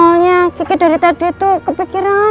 soalnya kiki dari tadi tuh kepikiran